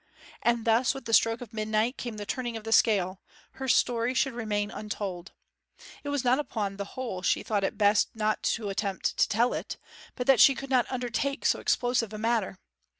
And thus with the stroke of midnight came the turning of the scale; her story should remain untold. It was not that upon the whole she thought it best not to attempt to tell it; but that she could not undertake so explosive a matter.